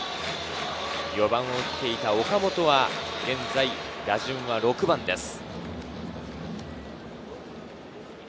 ４番を打っていた岡本は、現在、打順は６番です。